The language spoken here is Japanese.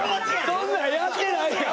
そんなんやってないやん。